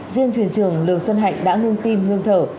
riêng thuyền trường lường xuân hạnh đã ngưng tim ngưng thở